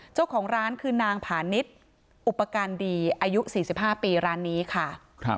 เจ้าของร้านคือนางผานิดอุปการณ์ดีอายุ๔๕ปีร้านนี้ค่ะ